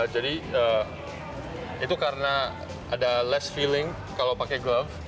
jadi itu karena ada less feeling kalau pakai glove